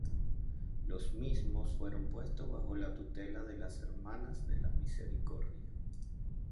Los mismos fueron puestos bajo la tutela de las Hermanas de la Misericordia.